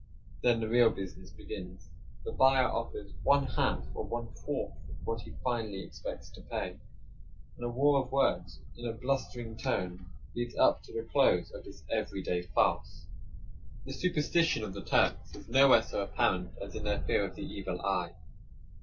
Then the real business begins. The buyer offers one half or one fourth of what he finally expects to pay; and a war of words, in a blustering tone, leads up to the close of this every day farce. The superstition of the Turks is nowhere so apparent as in their fear of the "evil eye."